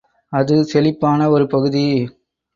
அது செழிப்பான ஒரு பகுதி.